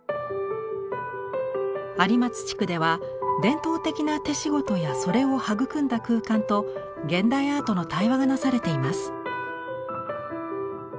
有松地区では伝統的な手仕事やそれを育んだ空間と現代アートの対話がなされています。